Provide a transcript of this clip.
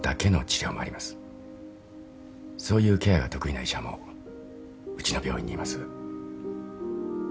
そういうケアが得意な医者もうちの病院にいます。